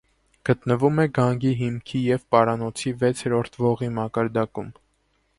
Գտնվում է գանգի հիմքի և պարանոցի վեցերորդ ողի մակարդակում։